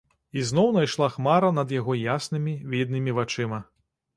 Ізноў найшла хмара над яго яснымі, віднымі вачыма.